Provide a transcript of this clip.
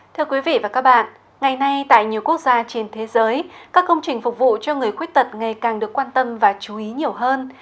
thưa quý vị và các bạn ngày nay tại nhiều quốc gia trên thế giới các công trình phục vụ cho người khuyết tật ngày càng được quan tâm và chú ý nhiều hơn